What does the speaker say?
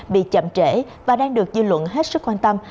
bị chậm trễ và đang được dư luận hết sức quan tâm